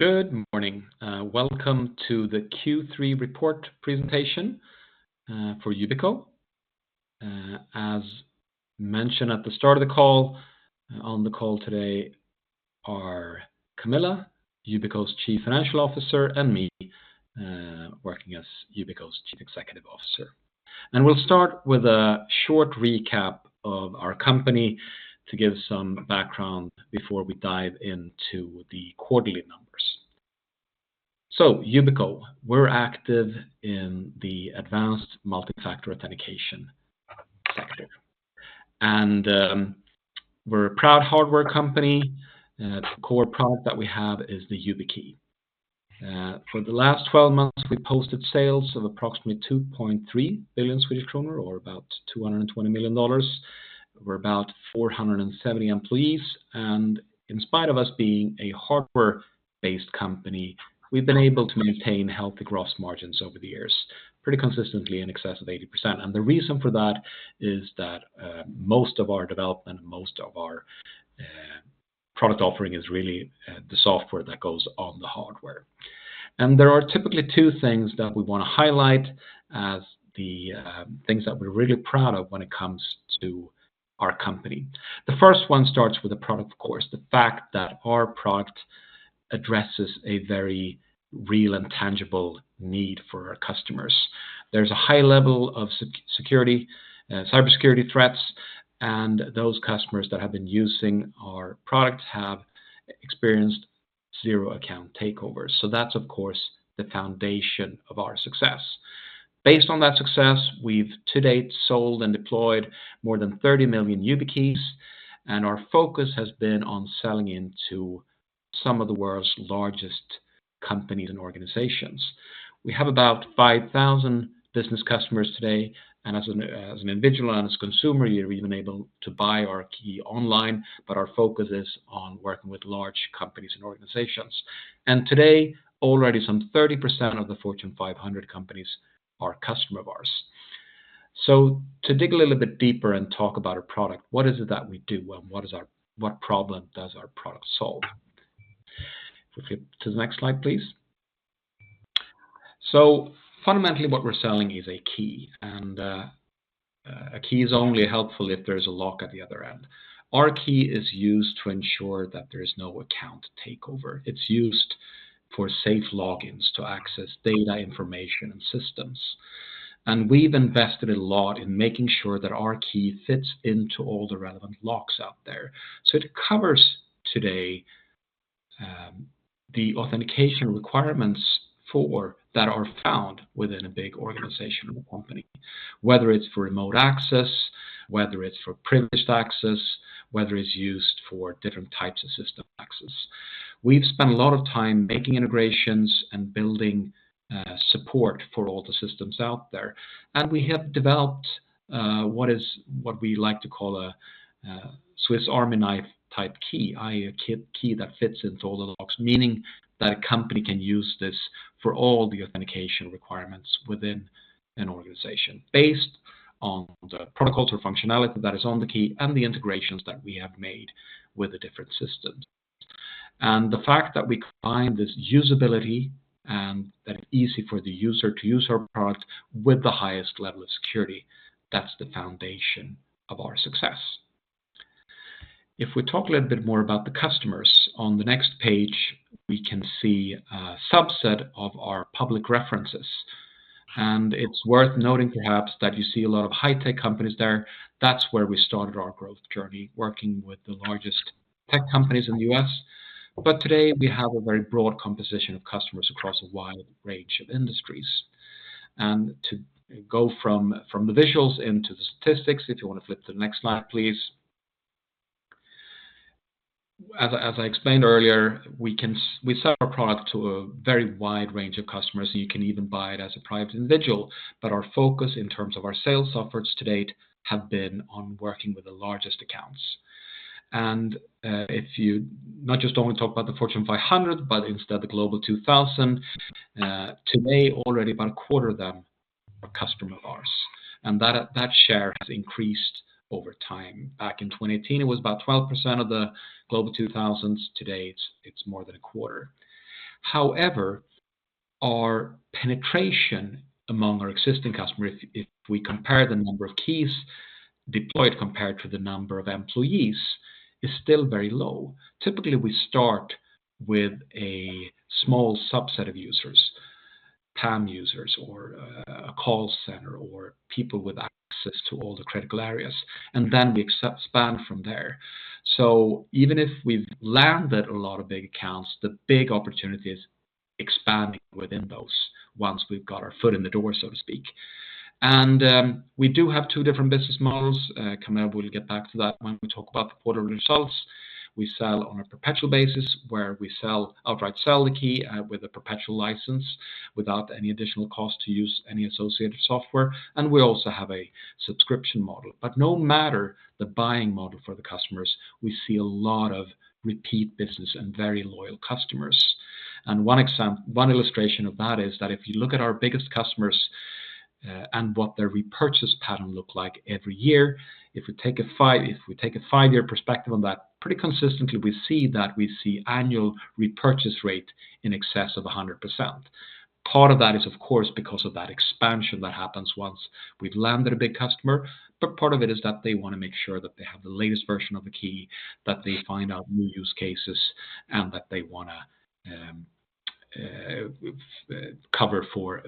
Good morning. Welcome to the Q3 Report Presentation for Yubico. As mentioned at the start of the call, on the call today are Camilla, Yubico's Chief Financial Officer, and me, working as Yubico's Chief Executive Officer. And we'll start with a short recap of our company to give some background before we dive into the quarterly numbers. So, Yubico, we're active in the advanced multi-factor authentication sector. And, we're a proud hardware company. The core product that we have is the YubiKey. For the last 12 months, we posted sales of approximately 2.3 billion Swedish kronor, or about $220 million. We're about 470 employees. And in spite of us being a hardware-based company, we've been able to maintain healthy gross margins over the years, pretty consistently in excess of 80%. And the reason for that is that most of our product offering is really the software that goes on the hardware. And there are typically two things that we want to highlight as the things that we're really proud of when it comes to our company. The first one starts with the product, of course, the fact that our product addresses a very real and tangible need for our customers. There's a high level of cybersecurity threats, and those customers that have been using our product have experienced zero account takeovers. So that's, of course, the foundation of our success. Based on that success, we've to date sold and deployed more than 30 million YubiKeys, and our focus has been on selling into some of the world's largest companies and organizations. We have about 5,000 business customers today. As an individual and as a consumer, you're even able to buy our key online, but our focus is on working with large companies and organizations. Today, already some 30% of the Fortune 500 companies are customers of ours. To dig a little bit deeper and talk about our product, what is it that we do, and what problem does our product solve? If we flip to the next slide, please. Fundamentally, what we're selling is a key. A key is only helpful if there's a lock at the other end. Our key is used to ensure that there is no account takeover. It's used for safe logins to access data, information, and systems. We've invested a lot in making sure that our key fits into all the relevant locks out there. It covers today the authentication requirements for that are found within a big organization or company, whether it's for remote access, whether it's for privileged access, whether it's used for different types of system access. We've spent a lot of time making integrations and building support for all the systems out there. We have developed what we like to call a Swiss Army knife type key, i.e., a key that fits into all the locks, meaning that a company can use this for all the authentication requirements within an organization based on the protocols or functionality that is on the key and the integrations that we have made with the different systems. The fact that we combine this usability and that it's easy for the user to use our product with the highest level of security, that's the foundation of our success. If we talk a little bit more about the customers, on the next page, we can see a subset of our public references. It's worth noting, perhaps, that you see a lot of high-tech companies there. That's where we started our growth journey, working with the largest tech companies in the U.S. But today, we have a very broad composition of customers across a wide range of industries. To go from the visuals into the statistics, if you want to flip to the next slide, please. As I explained earlier, we can sell our product to a very wide range of customers, and you can even buy it as a private individual. But our focus in terms of our sales efforts to date has been on working with the largest accounts. If you not just only talk about the Fortune 500, but instead the Global 2000, today, already about a quarter of them are customers of ours. That share has increased over time. Back in 2018, it was about 12% of the Global 2000s. Today, it's more than a quarter. However, our penetration among our existing customers, if we compare the number of keys deployed compared to the number of employees, is still very low. Typically, we start with a small subset of users, PAM users or call center or people with access to all the critical areas, and then we expand from there. So even if we've landed a lot of big accounts, the big opportunity is expanding within those once we've got our foot in the door, so to speak. We do have two different business models. Camilla, we'll get back to that when we talk about the quarterly results. We sell on a perpetual basis, where we sell outright, sell the key, with a perpetual license without any additional cost to use any associated software. And we also have a subscription model. But no matter the buying model for the customers, we see a lot of repeat business and very loyal customers. And one example, one illustration of that is that if you look at our biggest customers, and what their repurchase pattern looks like every year, if we take a five-year perspective on that, pretty consistently, we see annual repurchase rates in excess of 100%. Part of that is, of course, because of that expansion that happens once we've landed a big customer. But part of it is that they want to make sure that they have the latest version of the key, that they find out new use cases, and that they want to cover for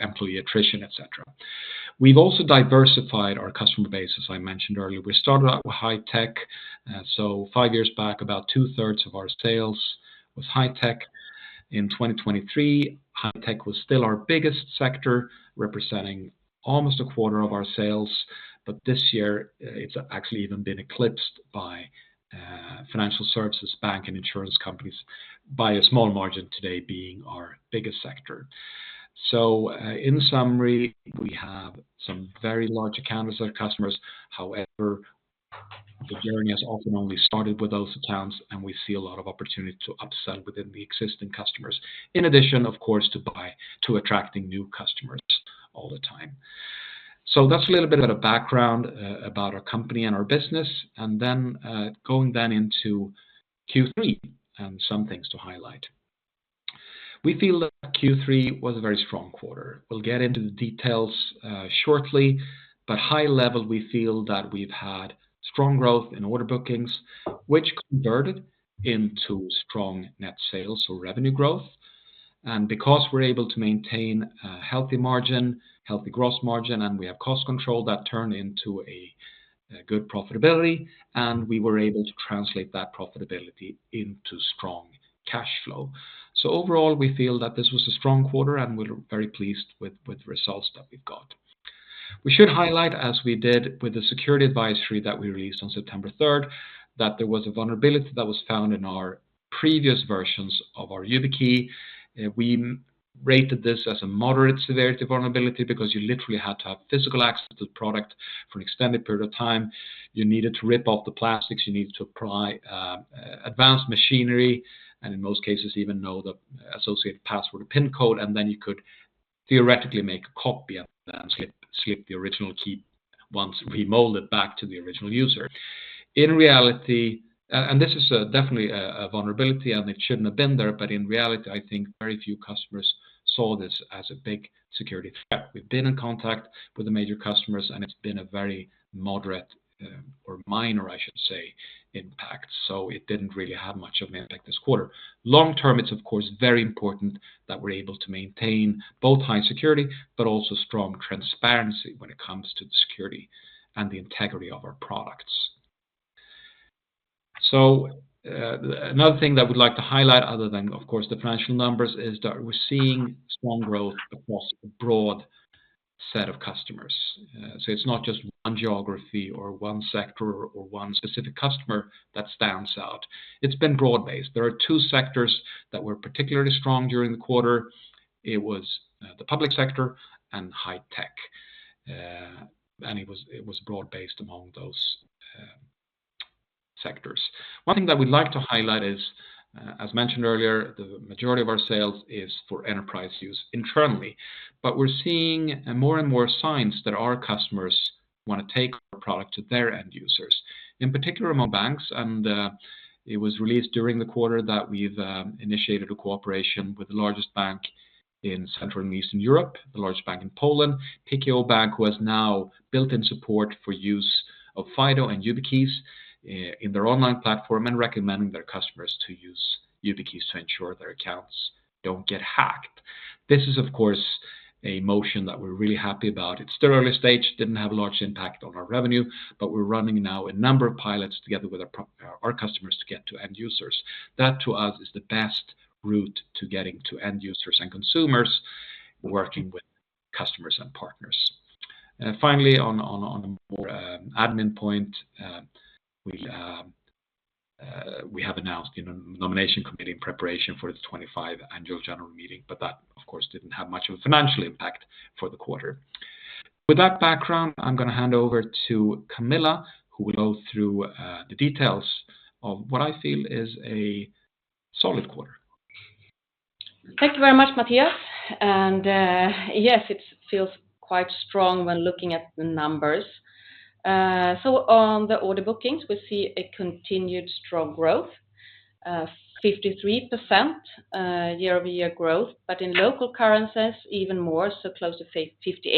employee attrition, etc. We've also diversified our customer base, as I mentioned earlier. We started out with high-tech, so five years back, about two-thirds of our sales was high-tech. In 2023, high-tech was still our biggest sector, representing almost a quarter of our sales. But this year, it's actually even been eclipsed by financial services, bank, and insurance companies, by a small margin today being our biggest sector. So, in summary, we have some very large accounts as our customers. However, the journey has often only started with those accounts, and we see a lot of opportunity to upsell within the existing customers, in addition, of course, to continuing to attract new customers all the time. So that's a little bit of a background about our company and our business. And then, going into Q3 and some things to highlight. We feel that Q3 was a very strong quarter. We'll get into the details shortly. But high level, we feel that we've had strong growth in order bookings, which converted into strong net sales or revenue growth. And because we're able to maintain a healthy margin, healthy gross margin, and we have cost control that turned into a good profitability, and we were able to translate that profitability into strong cash flow. So overall, we feel that this was a strong quarter, and we're very pleased with the results that we've got. We should highlight, as we did with the security advisory that we released on September 3rd, that there was a vulnerability that was found in our previous versions of our YubiKey. We rated this as a moderate severity vulnerability because you literally had to have physical access to the product for an extended period of time. You needed to rip off the plastics. You needed to apply advanced machinery, and in most cases, even know the associated password or PIN code, and then you could theoretically make a copy and then slip the original key once remolded back to the original user. In reality, and this is definitely a vulnerability, and it shouldn't have been there, but in reality, I think very few customers saw this as a big security threat. We've been in contact with the major customers, and it's been a very moderate, or minor, I should say, impact. So it didn't really have much of an impact this quarter. Long term, it's, of course, very important that we're able to maintain both high security but also strong transparency when it comes to the security and the integrity of our products. So, another thing that we'd like to highlight, other than, of course, the financial numbers, is that we're seeing strong growth across a broad set of customers. So it's not just one geography or one sector or one specific customer that stands out. It's been broad-based. There are two sectors that were particularly strong during the quarter. It was the public sector and high-tech, and it was broad-based among those sectors. One thing that we'd like to highlight is, as mentioned earlier, the majority of our sales is for enterprise use internally. But we're seeing more and more signs that our customers want to take our product to their end users, in particular among banks. It was released during the quarter that we've initiated a cooperation with the largest bank in Central and Eastern Europe, the largest bank in Poland, PKO Bank, who has now built-in support for use of FIDO and YubiKeys in their online platform and recommending their customers to use YubiKeys to ensure their accounts don't get hacked. This is, of course, a motion that we're really happy about. It's still early stage. Didn't have a large impact on our revenue, but we're running now a number of pilots together with our customers to get to end users. That, to us, is the best route to getting to end users and consumers, working with customers and partners. Finally, on a more admin point, we have announced the nomination committee in preparation for the 2025 annual general meeting, but that, of course, didn't have much of a financial impact for the quarter. With that background, I'm going to hand over to Camilla, who will go through the details of what I feel is a solid quarter. Thank you very much, Mattias. Yes, it feels quite strong when looking at the numbers. On the order bookings, we see a continued strong growth, 53% year-over-year growth, but in local currencies, even more, so close to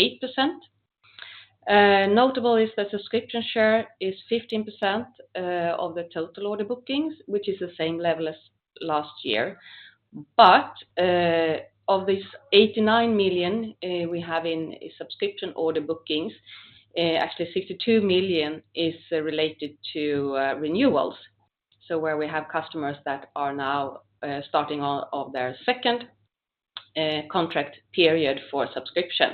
58%. Notable is that subscription share is 15% of the total order bookings, which is the same level as last year. But of these $89 million we have in subscription order bookings, actually $62 million is related to renewals, so where we have customers that are now starting on their second contract period for subscription.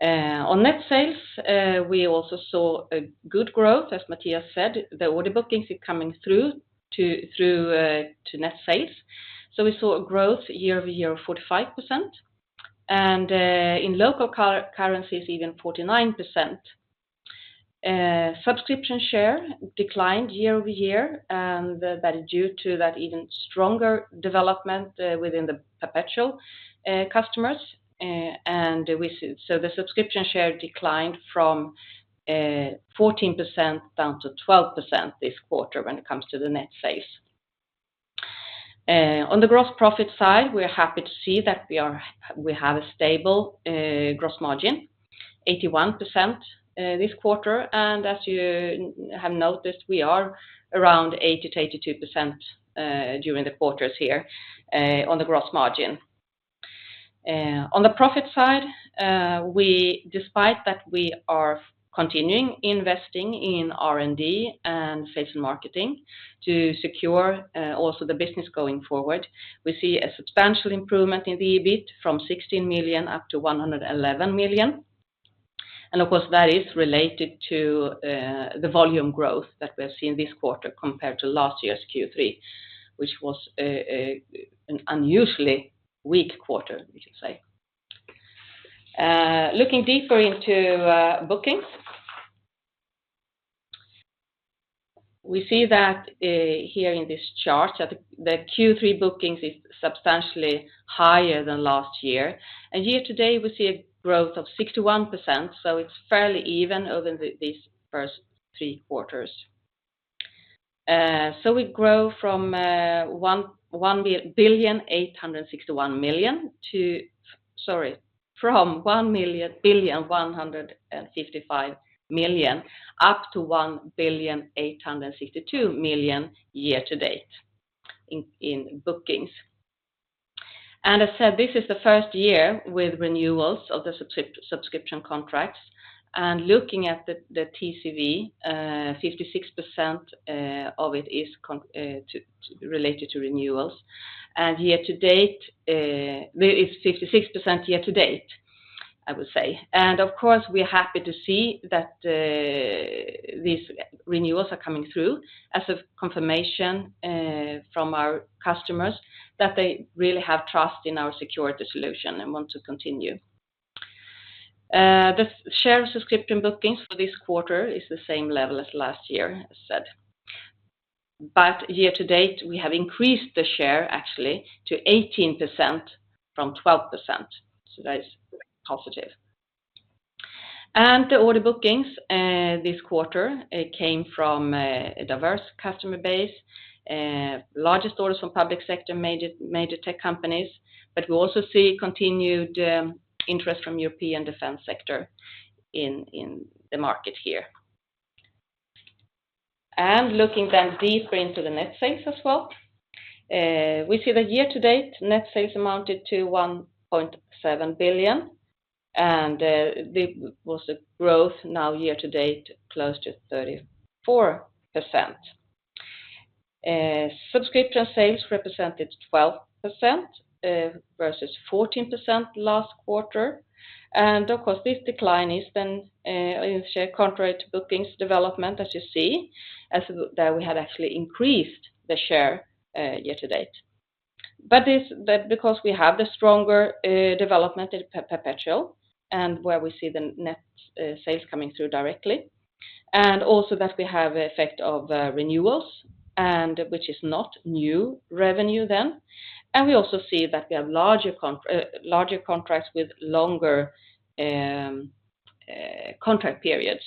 On net sales, we also saw a good growth, as Mattias said. The order bookings are coming through to net sales. So we saw a growth year-over-year of 45%. And in local currencies, even 49%. Subscription share declined year-over-year, and that is due to that even stronger development within the perpetual customers. And we saw the subscription share declined from 14% down to 12% this quarter when it comes to the net sales. On the gross profit side, we are happy to see that we have a stable gross margin of 81% this quarter. As you have noticed, we are around 80%-82% during the quarters here on the gross margin. On the profit side, we, despite that we are continuing investing in R&D and sales and marketing to secure also the business going forward, see a substantial improvement in the EBIT from 16 million to 111 million. Of course, that is related to the volume growth that we have seen this quarter compared to last year's Q3, which was an unusually weak quarter, we should say. Looking deeper into bookings, we see that here in this chart that the Q3 bookings is substantially higher than last year. Year to date, we see a growth of 61%. It's fairly even over these first three quarters. So we grow from 1 billion 155 million up to 1 billion 862 million year to date in bookings. And as I said, this is the first year with renewals of the subscription contracts. And looking at the TCV, 56% of it is related to renewals. And year to date, there is 56%, I would say. And of course, we are happy to see that these renewals are coming through as a confirmation from our customers that they really have trust in our security solution and want to continue. The share of subscription bookings for this quarter is the same level as last year, as said. But year to date, we have increased the share, actually, to 18% from 12%. So that is positive. And the order bookings this quarter came from a diverse customer base. Largest orders from public sector major tech companies. But we also see continued interest from European defense sector in the market here. And looking then deeper into the net sales as well, we see that year to date, net sales amounted to 1.7 billion. And there was a growth now year to date close to 34%. Subscription sales represented 12%, versus 14% last quarter. And of course, this decline is then in share contrary to bookings development, as you see, as that we had actually increased the share year to date. But this that because we have the stronger development in perpetual and where we see the net sales coming through directly. And also that we have an effect of renewals, and which is not new revenue then. We also see that we have larger contracts, larger contracts with longer contract periods.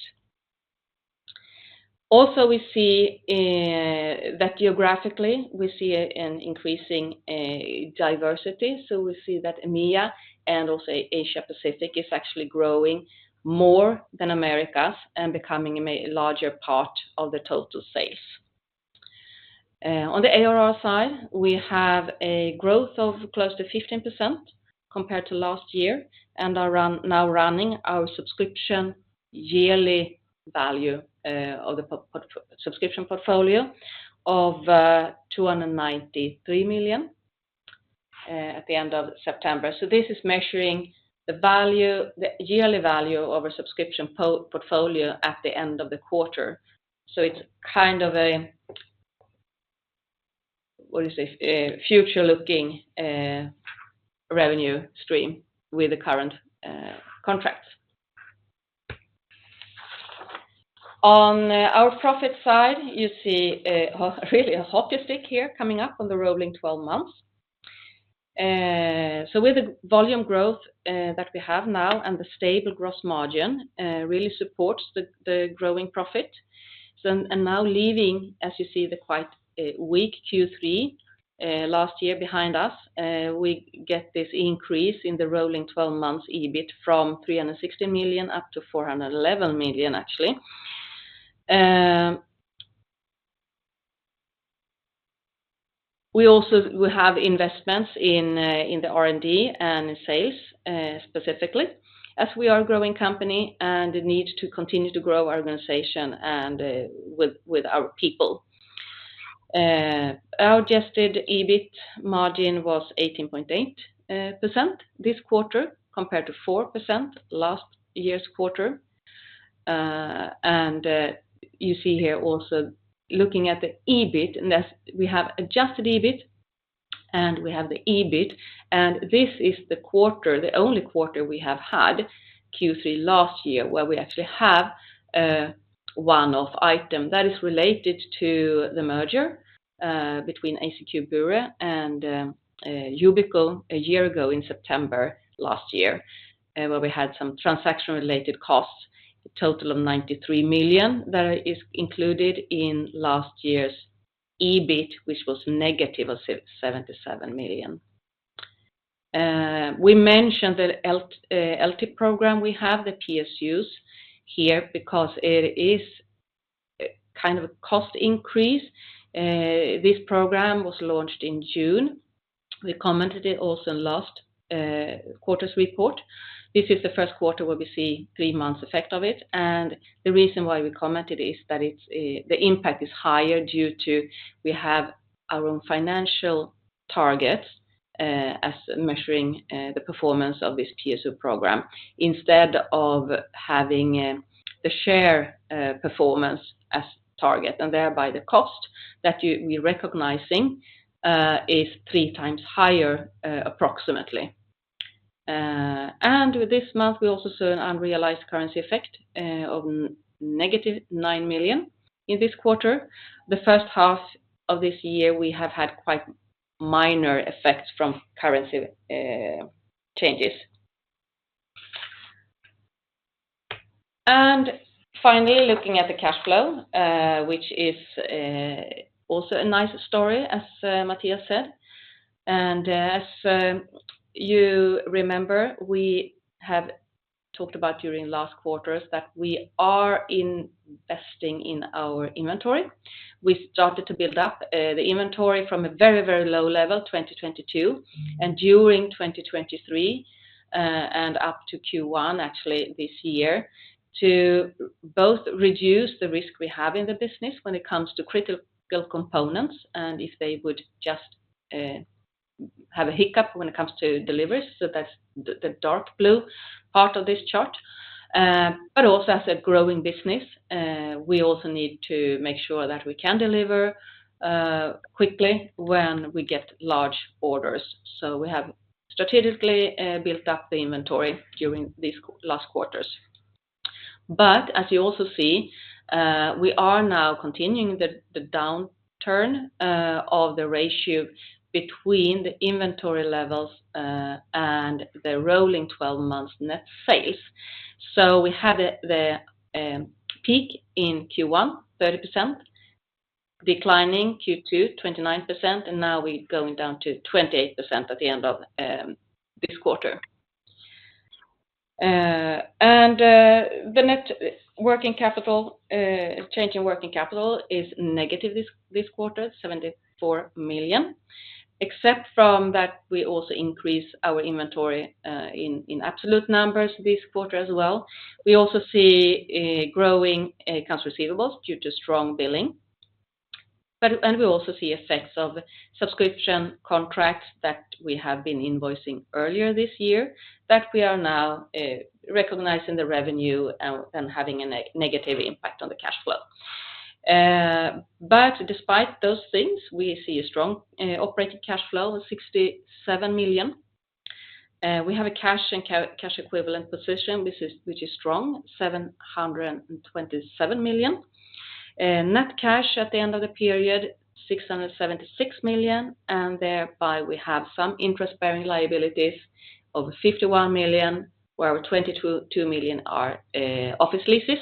Also, we see that geographically, we see an increasing diversity. We see that EMEA and also Asia-Pacific is actually growing more than Americas and becoming a larger part of the total sales. On the ARR side, we have a growth of close to 15% compared to last year and are now running our subscription yearly value of the subscription portfolio of $293 million at the end of September. So this is measuring the value, the yearly value of our subscription portfolio at the end of the quarter. So it's kind of a, what is it, future-looking revenue stream with the current contracts. On our profit side, you see really a hockey stick here coming up on the rolling 12 months. With the volume growth that we have now and the stable gross margin, really supports the growing profit. Now, leaving, as you see, the quite weak Q3 last year behind us, we get this increase in the rolling 12 months EBIT from 360 million up to 411 million, actually. We also have investments in the R&D and in sales, specifically, as we are a growing company and the need to continue to grow our organization and with our people. Our adjusted EBIT margin was 18.8% this quarter compared to 4% last year's quarter. You see here also looking at the EBIT, and that's we have adjusted EBIT, and we have the EBIT. And this is the quarter, the only quarter we have had, Q3 last year, where we actually have one-off item that is related to the merger between ACQ Bure and Yubico a year ago in September last year, where we had some transaction-related costs, a total of 93 million that is included in last year's EBIT, which was negative of 77 million. We mentioned the LT program we have, the PSUs here, because it is kind of a cost increase. This program was launched in June. We commented it also in last quarter's report. This is the first quarter where we see three months' effect of it. And the reason why we commented is that it's the impact is higher due to we have our own financial targets as measuring the performance of this PSU program instead of having the share performance as target. And thereby, the cost that you were recognizing is three times higher, approximately. And with this, we also saw an unrealized currency effect of -$9 million in this quarter. The first half of this year we have had quite minor effects from currency changes. And finally, looking at the cash flow, which is also a nice story, as Mattias said. And as you remember, we have talked about during last quarters that we are investing in our inventory. We started to build up the inventory from a very, very low level, 2022, and during 2023, and up to Q1, actually, this year, to both reduce the risk we have in the business when it comes to critical components and if they would just have a hiccup when it comes to deliveries. So that's the dark blue part of this chart. But also as a growing business, we also need to make sure that we can deliver quickly when we get large orders. So we have strategically built up the inventory during these last quarters. But as you also see, we are now continuing the downturn of the ratio between the inventory levels and the rolling 12 months net sales. So we had the peak in Q1, 30%, declining Q2, 29%, and now we're going down to 28% at the end of this quarter. And the net working capital, changing working capital, is negative this quarter, 74 million, except from that we also increase our inventory in absolute numbers this quarter as well. We also see growing accounts receivables due to strong billing. But and we also see effects of subscription contracts that we have been invoicing earlier this year that we are now recognizing the revenue and having a negative impact on the cash flow. But despite those things, we see a strong operating cash flow of $67 million. We have a cash and cash equivalent position, which is strong, $727 million. Net cash at the end of the period, $676 million. And thereby, we have some interest-bearing liabilities of $51 million, where $22 million are office leases.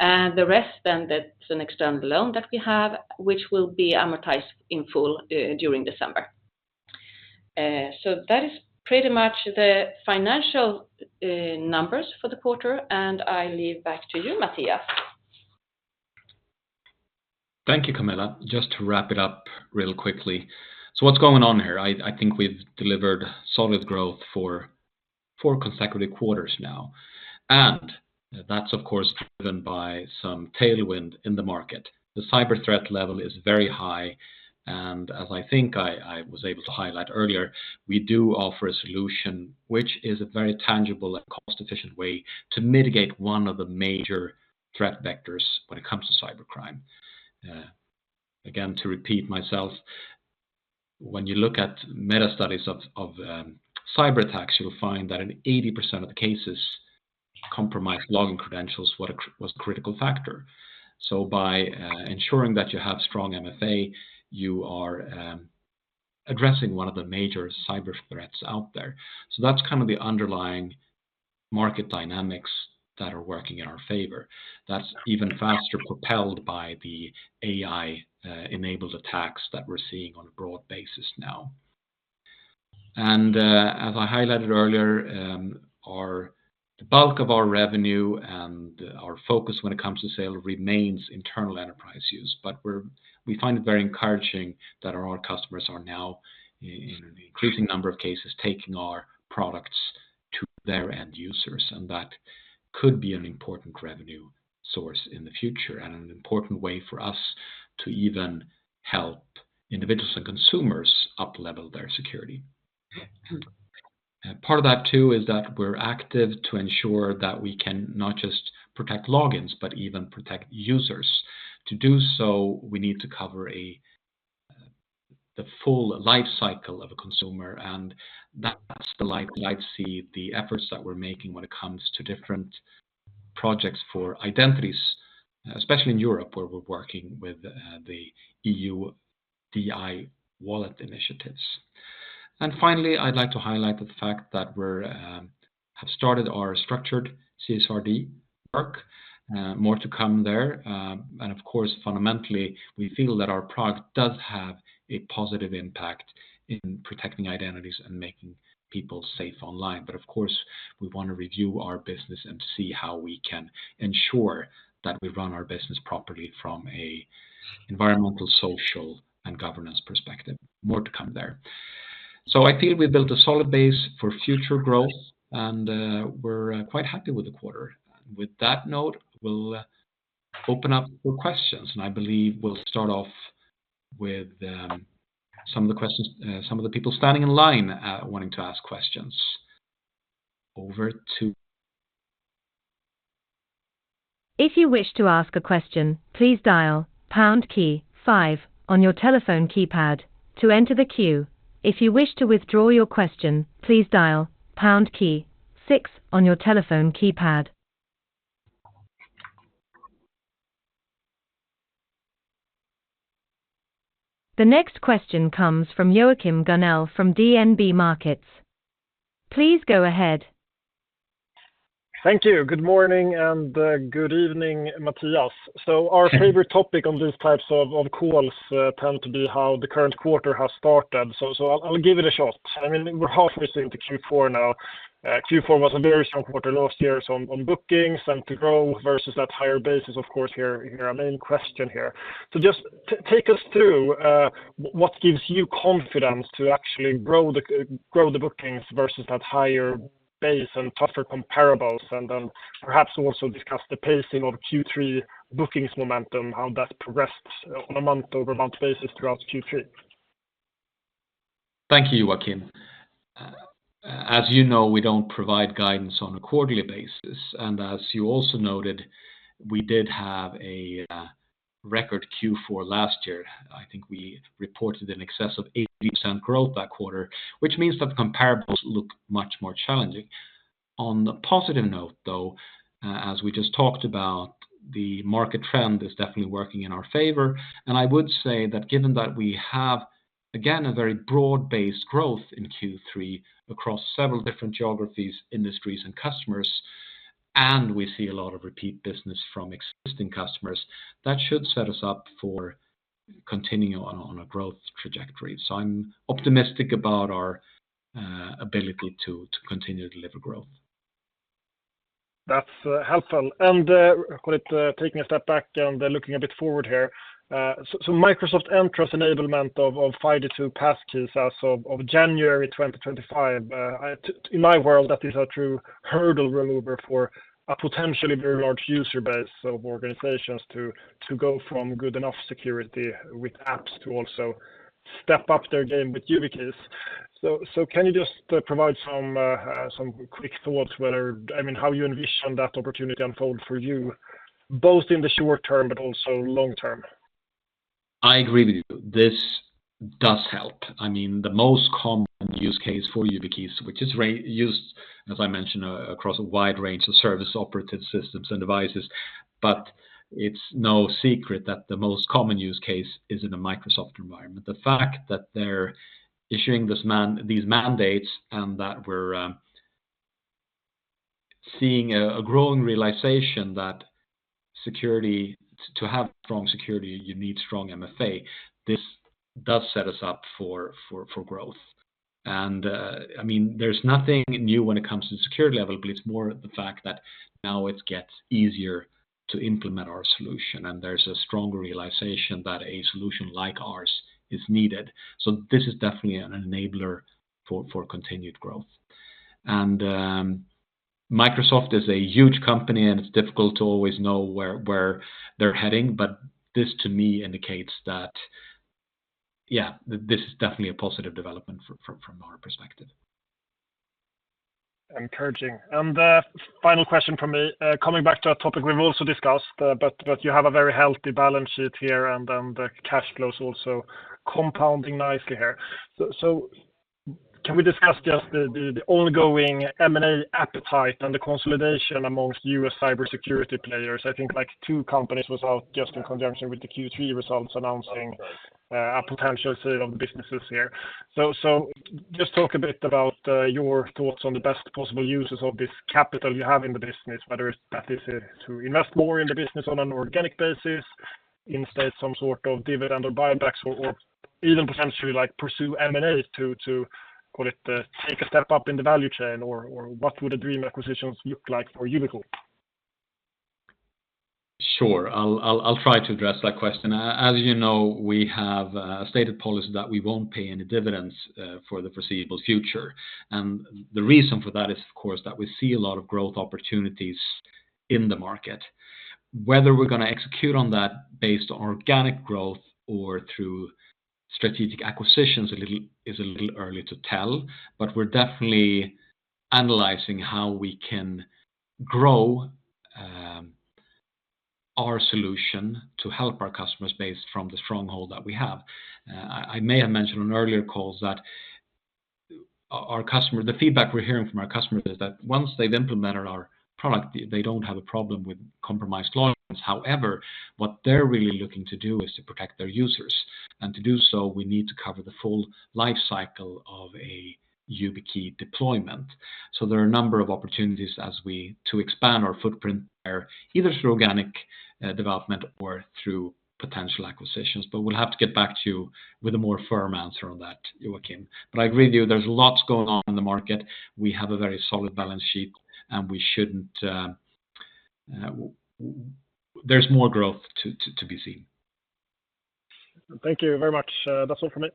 And the rest then that's an external loan that we have, which will be amortized in full during December. So that is pretty much the financial numbers for the quarter. And I leave back to you, Mattias. Thank you, Camilla. Just to wrap it up real quickly. So what's going on here? I think we've delivered solid growth for consecutive quarters now. And that's, of course, driven by some tailwind in the market. The cyber threat level is very high. And as I think I was able to highlight earlier, we do offer a solution which is a very tangible and cost-efficient way to mitigate one of the major threat vectors when it comes to cybercrime. Again, to repeat myself, when you look at meta studies of cyberattacks, you'll find that in 80% of the cases, compromised login credentials was a critical factor. So by ensuring that you have strong MFA, you are addressing one of the major cyber threats out there. So that's kind of the underlying market dynamics that are working in our favor. That's even faster propelled by the AI-enabled attacks that we're seeing on a broad basis now. As I highlighted earlier, the bulk of our revenue and our focus when it comes to sales remains internal enterprise use. But we find it very encouraging that our customers are now, in an increasing number of cases, taking our products to their end users. That could be an important revenue source in the future and an important way for us to even help individuals and consumers uplevel their security. Part of that too is that we're active to ensure that we can not just protect logins, but even protect users. To do so, we need to cover the full lifecycle of a consumer. That's the lifecycle, the efforts that we're making when it comes to different projects for identities, especially in Europe, where we're working with the EUDI Wallet initiatives. And finally, I'd like to highlight the fact that we have started our structured CSRD work, more to come there. Of course, fundamentally, we feel that our product does have a positive impact in protecting identities and making people safe online. But of course, we want to review our business and see how we can ensure that we run our business properly from an environmental, social, and governance perspective. More to come there. I think we've built a solid base for future growth. We're quite happy with the quarter. With that note, we'll open up for questions. I believe we'll start off with some of the questions from some of the people standing in line, wanting to ask questions. Over to. If you wish to ask a question, please dial pound key five on your telephone keypad to enter the queue. If you wish to withdraw your question, please dial pound key six on your telephone keypad. The next question comes from Joachim Gunell from DNB Markets. Please go ahead. Thank you. Good morning and good evening, Mattias. So our favorite topic on these types of calls tend to be how the current quarter has started. So I'll give it a shot. I mean, we're halfway into Q4 now. Q4 was a very strong quarter last year on bookings and to grow versus that higher base, of course, our main question here. So just take us through what gives you confidence to actually grow the bookings versus that higher base and tougher comparables. And then perhaps also discuss the pacing of Q3 bookings momentum, how that progressed on a month-over-month basis throughout Q3. Thank you, Joachim. As you know, we don't provide guidance on a quarterly basis. And as you also noted, we did have a record Q4 last year. I think we reported in excess of 80% growth that quarter, which means that the comparables look much more challenging. On the positive note though, as we just talked about, the market trend is definitely working in our favor. And I would say that given that we have, again, a very broad-based growth in Q3 across several different geographies, industries, and customers, and we see a lot of repeat business from existing customers, that should set us up for continuing on a growth trajectory. So I'm optimistic about our ability to continue to deliver growth. That's helpful. Taking a step back and looking a bit forward here, Microsoft Entra enablement of FIDO2 passkeys as of January 2025, in my world, that is a true hurdle remover for a potentially very large user base of organizations to go from good enough security with apps to also step up their game with YubiKeys. Can you just provide some quick thoughts whether, I mean, how you envision that opportunity unfold for you, both in the short term, but also long term? I agree with you. This does help. I mean, the most common use case for YubiKeys, which is used, as I mentioned, across a wide range of server operating systems and devices, but it's no secret that the most common use case is in a Microsoft environment. The fact that they're issuing this mandate, these mandates, and that we're seeing a growing realization that security, to have strong security, you need strong MFA. This does set us up for growth. I mean, there's nothing new when it comes to the security level, but it's more the fact that now it gets easier to implement our solution. There's a stronger realization that a solution like ours is needed. So this is definitely an enabler for continued growth. Microsoft is a huge company and it's difficult to always know where they're heading. But this to me indicates that, yeah, this is definitely a positive development from our perspective. Encouraging. The final question for me, coming back to a topic we've also discussed, but you have a very healthy balance sheet here and the cash flows also compounding nicely here. So can we discuss just the ongoing M&A appetite and the consolidation amongst U.S. cybersecurity players? I think like two companies were out just in conjunction with the Q3 results announcing a potential sale of the businesses here. So just talk a bit about your thoughts on the best possible uses of this capital you have in the business, whether that is to invest more in the business on an organic basis, or instead some sort of dividend or buybacks, or even potentially like pursue M&A to take a step up in the value chain, or what would the dream acquisitions look like for Yubico? Sure. I'll try to address that question. As you know, we have a stated policy that we won't pay any dividends for the foreseeable future, and the reason for that is, of course, that we see a lot of growth opportunities in the market. Whether we're going to execute on that based on organic growth or through strategic acquisitions, a little early to tell, but we're definitely analyzing how we can grow our solution to help our customers based from the stronghold that we have. I may have mentioned on earlier calls that our customer, the feedback we're hearing from our customers is that once they've implemented our product, they don't have a problem with compromised logins. However, what they're really looking to do is to protect their users, and to do so, we need to cover the full lifecycle of a YubiKey deployment. So there are a number of opportunities as we to expand our footprint there, either through organic development or through potential acquisitions. But we'll have to get back to you with a more firm answer on that, Joachim. But I agree with you, there's lots going on in the market. We have a very solid balance sheet and we shouldn't, there's more growth to be seen. Thank you very much. That's all from me.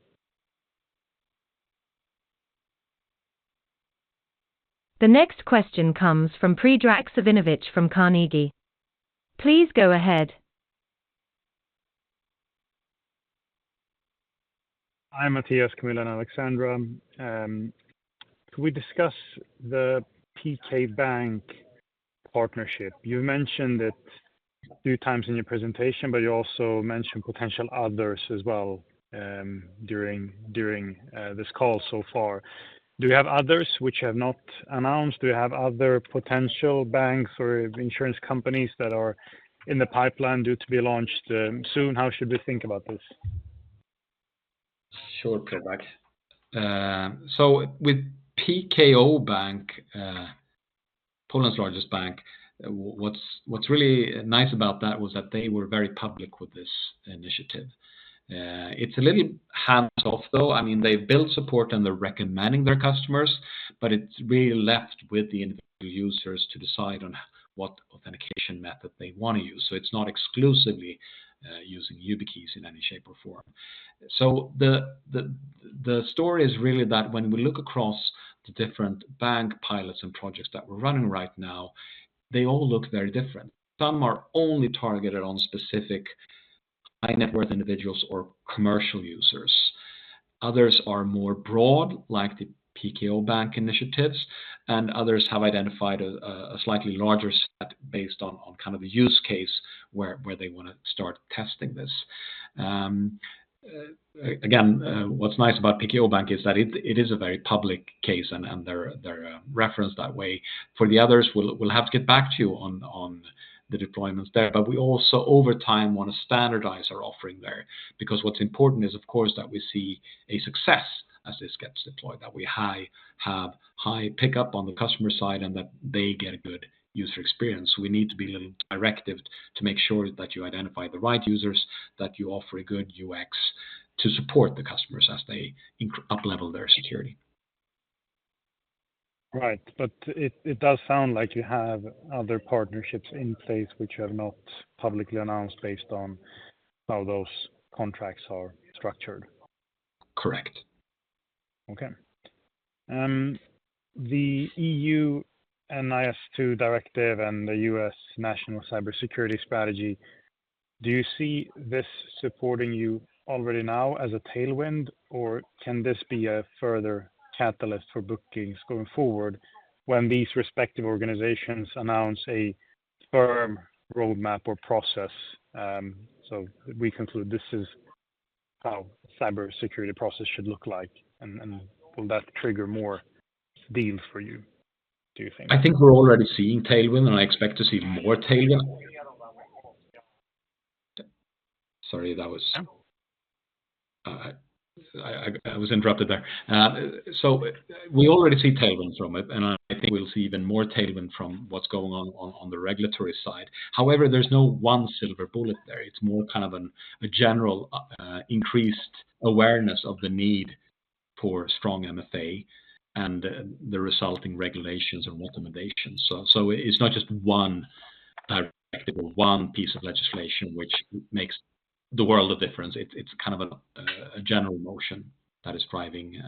The next question comes from Predrag Savinovic from Carnegie. Please go ahead. Hi, Mattias, Camilla, and Alexandra. Can we discuss the PKO Bank partnership? You've mentioned it two times in your presentation, but you also mentioned potential others as well, during this call so far. Do we have others which have not announced? Do we have other potential banks or insurance companies that are in the pipeline due to be launched soon? How should we think about this? Sure, Predrag. So with PKO Bank, Poland's largest bank, what's really nice about that was that they were very public with this initiative. It's a little hands-off though. I mean, they've built support and they're recommending their customers, but it's really left with the individual users to decide on what authentication method they want to use. So it's not exclusively using YubiKeys in any shape or form. So the story is really that when we look across the different bank pilots and projects that we're running right now, they all look very different. Some are only targeted on specific high net worth individuals or commercial users. Others are more broad, like the PKO Bank initiatives, and others have identified a slightly larger set based on kind of a use case where they want to start testing this. Again, what's nice about PKO Bank is that it is a very public case and they're referenced that way. For the others, we'll have to get back to you on the deployments there. But we also, over time, want to standardize our offering there because what's important is, of course, that we see a success as this gets deployed, that we have high pickup on the customer side and that they get a good user experience. We need to be a little directive to make sure that you identify the right users, that you offer a good UX to support the customers as they uplevel their security. Right. But it does sound like you have other partnerships in place which have not publicly announced based on how those contracts are structured. Correct. Okay. The EU NIS2 Directive and the U.S. National Cybersecurity Strategy, do you see this supporting you already now as a tailwind, or can this be a further catalyst for bookings going forward when these respective organizations announce a firm roadmap or process? So we conclude this is how cybersecurity process should look like. And will that trigger more deals for you, do you think? I think we're already seeing tailwind and I expect to see more tailwind. Sorry, that was. I was interrupted there. So we already see tailwind from it, and I think we'll see even more tailwind from what's going on on the regulatory side. However, there's no one silver bullet there. It's more kind of a general, increased awareness of the need for strong MFA and the resulting regulations and recommendations. It's not just one piece of legislation which makes the world of difference. It's kind of a general motion that is driving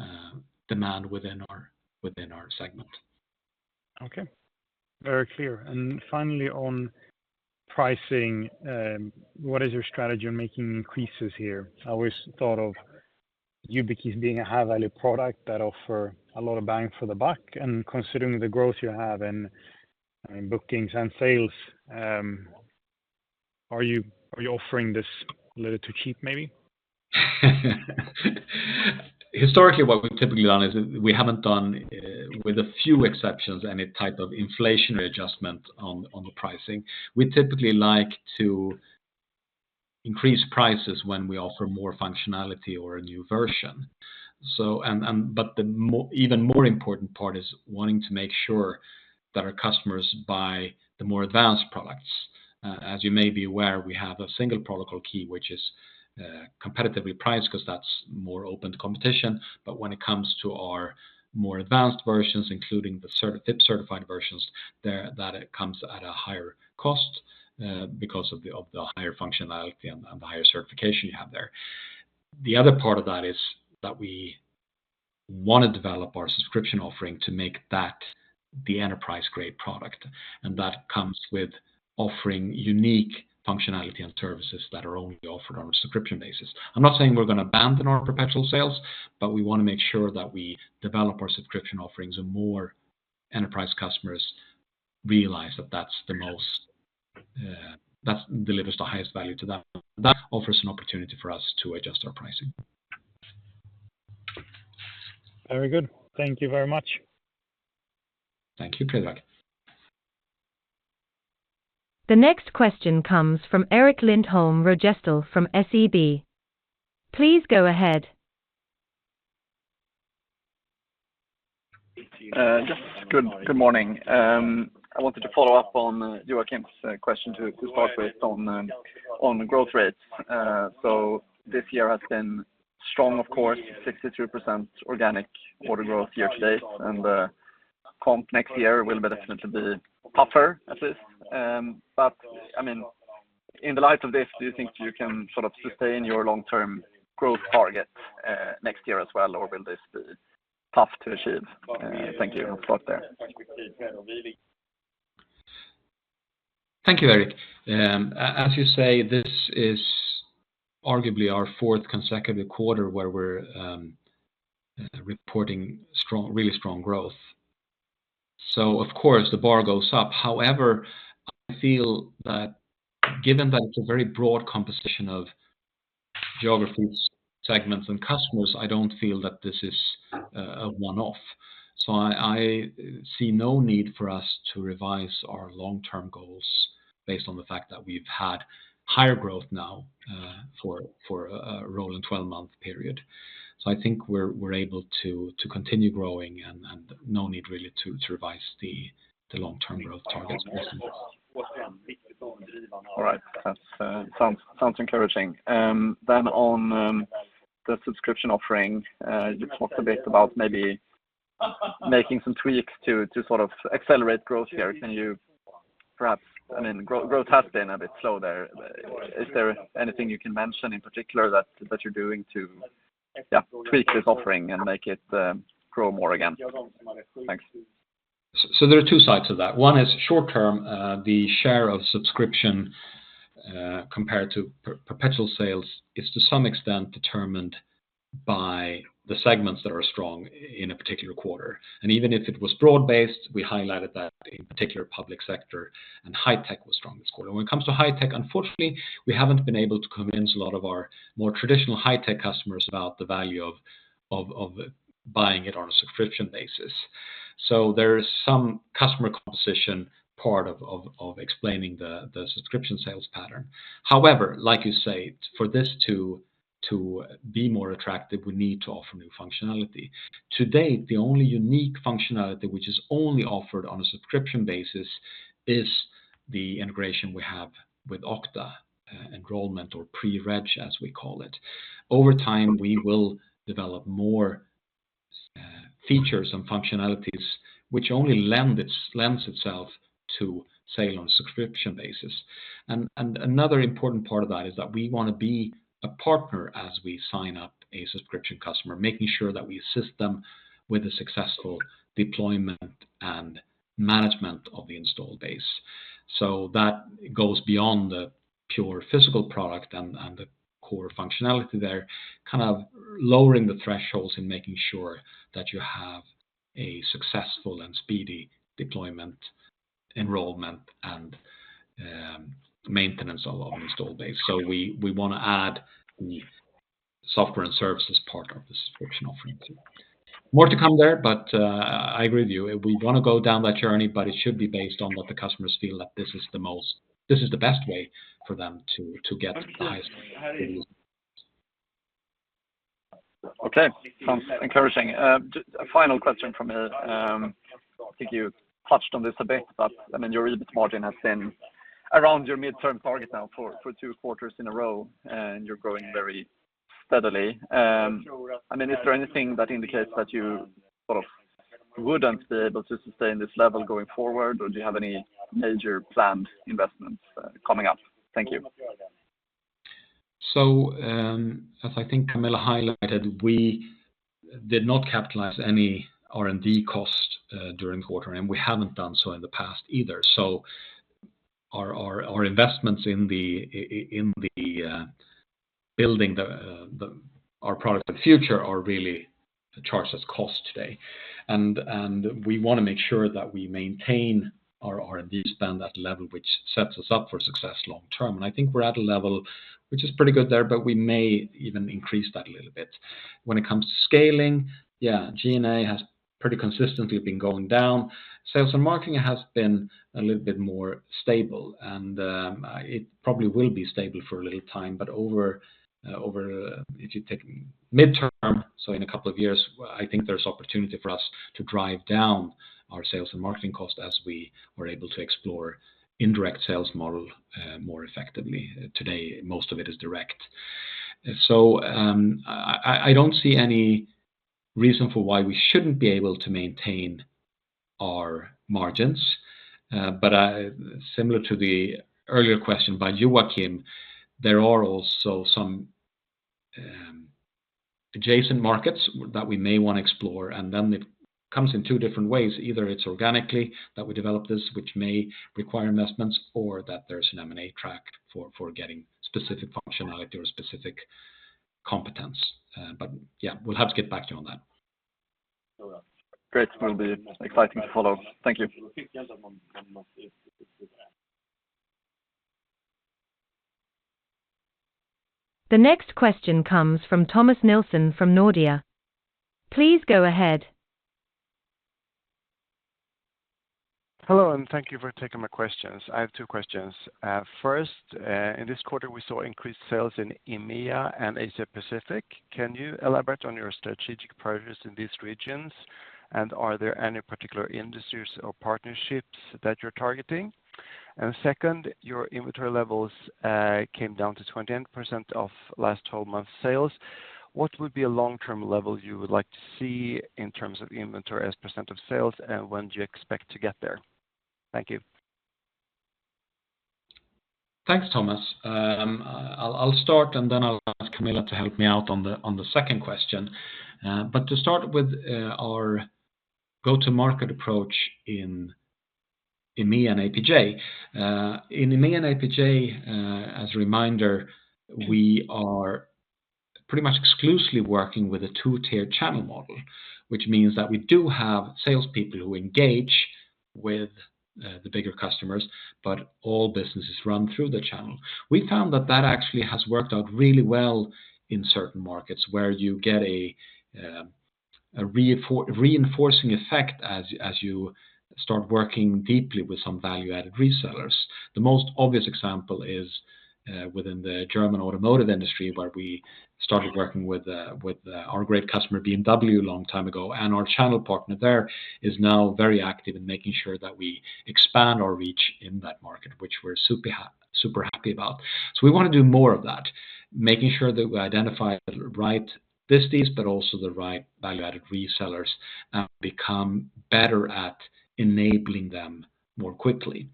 demand within our segment. Okay. Very clear. And finally, on pricing, what is your strategy on making increases here? I always thought of YubiKeys being a high-value product that offers a lot of bang for the buck. And considering the growth you have in, I mean, bookings and sales, are you offering this a little too cheap maybe? Historically, what we've typically done is we haven't done, with a few exceptions, any type of inflationary adjustment on the pricing. We typically like to increase prices when we offer more functionality or a new version. So, but the even more important part is wanting to make sure that our customers buy the more advanced products. As you may be aware, we have a single protocol key, which is competitively priced because that's more open to competition. But when it comes to our more advanced versions, including the certified versions, there, it comes at a higher cost, because of the higher functionality and the higher certification you have there. The other part of that is that we want to develop our subscription offering to make that the enterprise-grade product. And that comes with offering unique functionality and services that are only offered on a subscription basis. I'm not saying we're going to abandon our perpetual sales, but we want to make sure that we develop our subscription offerings and more enterprise customers realize that that's the most, that delivers the highest value to them. That offers an opportunity for us to adjust our pricing. Very good. Thank you very much. Thank you, Predrag. The next question comes from Erik Lindholm-Röjestål from SEB. Please go ahead. Good morning. I wanted to follow up on Joachim's question to start with on growth rates. This year has been strong, of course, 62% organic order growth year to date. And comp next year will definitely be tougher at this. But I mean, in the light of this, do you think you can sort of sustain your long-term growth target next year as well, or will this be tough to achieve? Thank you. I'll stop there. Thank you, Erik. As you say, this is arguably our fourth consecutive quarter where we're reporting strong, really strong growth. Of course, the bar goes up. However, I feel that given that it's a very broad composition of geographies, segments, and customers, I don't feel that this is a one-off. So I see no need for us to revise our long-term goals based on the fact that we've had higher growth now, for a rolling 12-month period. So I think we're able to continue growing and no need really to revise the long-term growth targets recently. All right. That sounds encouraging. Then on the subscription offering, you talked a bit about maybe making some tweaks to sort of accelerate growth here. Can you perhaps, I mean, growth has been a bit slow there. Is there anything you can mention in particular that you're doing to, yeah, tweak this offering and make it grow more again? Thanks. So there are two sides of that. One is short-term, the share of subscription, compared to perpetual sales is to some extent determined by the segments that are strong in a particular quarter. Even if it was broad-based, we highlighted that in particular public sector and high tech was strong this quarter. When it comes to high tech, unfortunately, we haven't been able to convince a lot of our more traditional high tech customers about the value of buying it on a subscription basis. So there is some customer composition part of explaining the subscription sales pattern. However, like you say, for this to be more attractive, we need to offer new functionality. To date, the only unique functionality which is only offered on a subscription basis is the integration we have with Okta, enrollment or pre-reg, as we call it. Over time, we will develop more features and functionalities which only lends itself to sale on a subscription basis. And another important part of that is that we want to be a partner as we sign up a subscription customer, making sure that we assist them with a successful deployment and management of the installed base. So that goes beyond the pure physical product and the core functionality there, kind of lowering the thresholds and making sure that you have a successful and speedy deployment, enrollment, and maintenance of installed base. So we want to add the software and services part of the subscription offering too. More to come there, but I agree with you. We want to go down that journey, but it should be based on what the customers feel that this is the best way for them to get the highest value. Okay. Sounds encouraging. Final question from me. I think you touched on this a bit, but I mean, your EBIT margin has been around your midterm target now for two quarters in a row, and you're growing very steadily. I mean, is there anything that indicates that you sort of wouldn't be able to sustain this level going forward, or do you have any major planned investments coming up? Thank you. So, as I think Camilla highlighted, we did not capitalize any R&D cost during the quarter, and we haven't done so in the past either. So our investments in the building our product in the future are really charged as cost today. And we want to make sure that we maintain our R&D spend at a level which sets us up for success long-term. I think we're at a level which is pretty good there, but we may even increase that a little bit. When it comes to scaling, yeah, G&A has pretty consistently been going down. Sales and marketing has been a little bit more stable, and it probably will be stable for a little time, but over if you take midterm, so in a couple of years, I think there's opportunity for us to drive down our sales and marketing cost as we were able to explore indirect sales model more effectively. Today, most of it is direct. So, I don't see any reason for why we shouldn't be able to maintain our margins. I, similar to the earlier question by Joachim, there are also some adjacent markets that we may want to explore, and then it comes in two different ways. Either it's organically that we develop this, which may require investments, or that there's an M&A track for, for getting specific functionality or specific competence. But yeah, we'll have to get back to you on that. Great. Will be exciting to follow. Thank you. The next question comes from Thomas Nielsen from Nordea. Please go ahead. Hello, and thank you for taking my questions. I have two questions. First, in this quarter, we saw increased sales in EMEA and Asia Pacific. Can you elaborate on your strategic priorities in these regions, and are there any particular industries or partnerships that you're targeting? And second, your inventory levels came down to 20% of last 12-month sales. What would be a long-term level you would like to see in terms of inventory as % of sales, and when do you expect to get there? Thank you. Thanks, Thomas. I'll start, and then I'll ask Camilla to help me out on the second question. But to start with, our go-to-market approach in EMEA and APJ, as a reminder, we are pretty much exclusively working with a two-tier channel model, which means that we do have salespeople who engage with the bigger customers, but all businesses run through the channel. We found that that actually has worked out really well in certain markets where you get a reinforcing effect as you start working deeply with some value-added resellers. The most obvious example is within the German automotive industry, where we started working with our great customer BMW a long time ago, and our channel partner there is now very active in making sure that we expand our reach in that market, which we're super happy about. So we want to do more of that, making sure that we identify the right disties, but also the right value-added resellers, and become better at enabling them more quickly.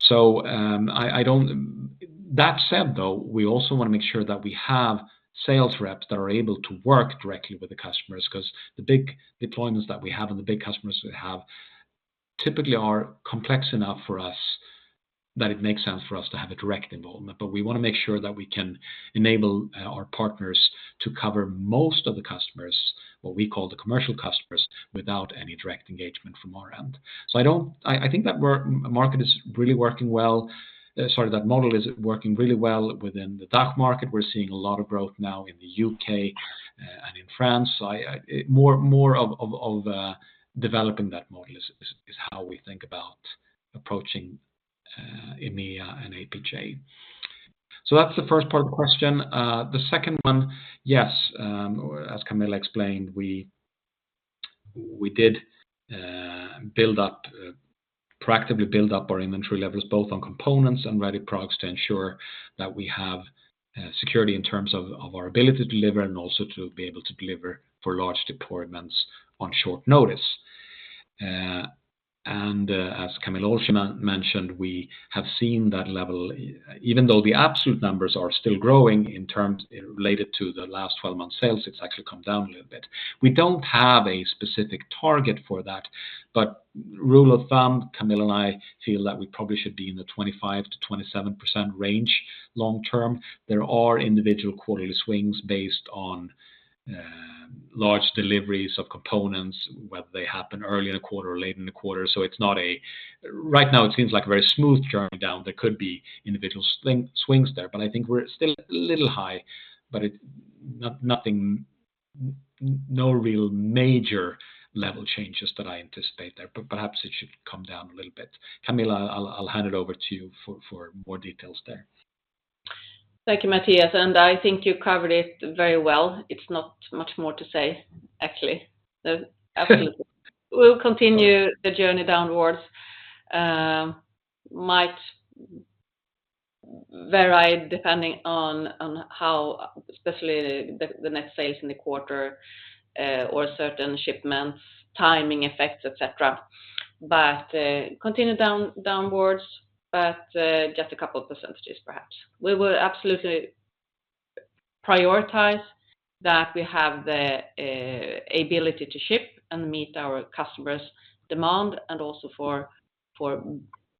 So, that said though, we also want to make sure that we have sales reps that are able to work directly with the customers, because the big deployments that we have and the big customers we have typically are complex enough for us that it makes sense for us to have a direct involvement. But we want to make sure that we can enable our partners to cover most of the customers, what we call the commercial customers, without any direct engagement from our end. So I think that the market is really working well. Sorry, that model is working really well within the DACH market. We're seeing a lot of growth now in the U.K. and in France. I'm more of developing that model is how we think about approaching EMEA and APJ. So that's the first part of the question. The second one, yes, as Camilla explained, we did proactively build up our inventory levels, both on components and ready products to ensure that we have security in terms of our ability to deliver and also to be able to deliver for large deployments on short notice, and as Camilla also mentioned, we have seen that level, even though the absolute numbers are still growing in terms related to the last 12-month sales, it's actually come down a little bit. We don't have a specific target for that, but rule of thumb, Camilla and I feel that we probably should be in the 25%-27% range long-term. There are individual quarterly swings based on large deliveries of components, whether they happen early in the quarter or late in the quarter. So it's not, right now it seems like a very smooth journey down. There could be individual swings there, but I think we're still a little high, but it's not nothing, no real major level changes that I anticipate there, but perhaps it should come down a little bit. Camilla, I'll hand it over to you for more details there. Thank you, Mattias, and I think you covered it very well. It's not much more to say, actually. Absolutely. We'll continue the journey downwards. might vary depending on how, especially the net sales in the quarter, or certain shipments, timing effects, etc. But continue downwards, but just a couple of percentages perhaps. We will absolutely prioritize that we have the ability to ship and meet our customers' demand and also for